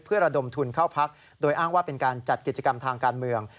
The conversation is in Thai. เพื่อระดมทุนเข้าพักโดยอ้างว่าเป็นการจัดกิจกรรมทางการเมือง